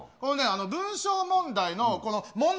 文章問題の問題